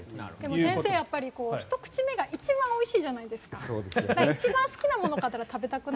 先生、やっぱりひと口目が一番おいしいじゃないですか。